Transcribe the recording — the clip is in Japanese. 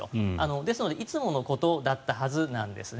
ですのでいつものことだったはずなんですね。